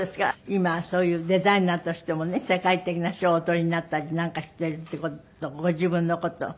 今はそういうデザイナーとしてもね世界的な賞をおとりになったりなんかしてるご自分の事を。